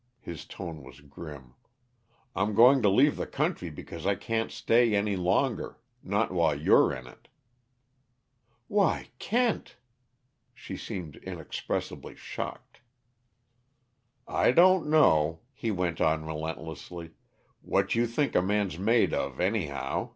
His tone was grim. "I'm going to leave the country because I can't stay any longer not while you're in it." "Why Kent!" She seemed inexpressibly shocked. "I don't know," he went on relentlessly, "what you think a man's made of, anyhow.